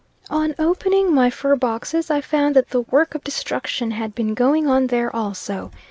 On opening my fur boxes, I found that the work of destruction had been going on there also.